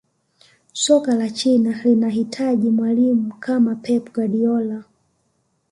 soka la china linahitaji mwalimu kama pep guardiola